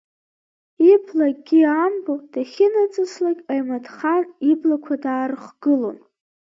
Ибла акгьы амбо, дахьынаҵыслакь Ҟаимаҭхан иблақәа даарыхгылон.